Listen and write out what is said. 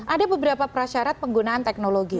ada beberapa prasyarat penggunaan teknologi